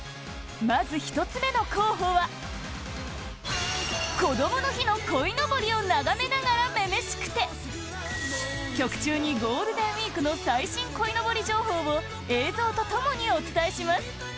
まず、１つ目の候補はこどもの日のこいのぼりを眺めながら「女々しくて」曲中にゴールデンウィークの最新こいのぼり情報を映像と共にお伝えします